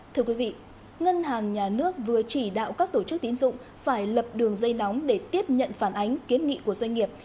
thưa quý vị ngân hàng nhà nước vừa chỉ đạo các tổ chức tín dụng phải lập đường dây nóng để tiếp nhận phản ánh kiến nghị của doanh nghiệp